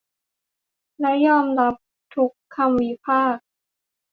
และยอมรับทุกคำวิพากษ์